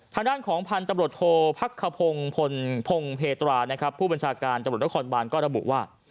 การของพันธุ์ตำรวจโทษพักขพงศ์พ่งเทตราผู้บัญชาการตำรวจละครบ้านก็ระบุว่า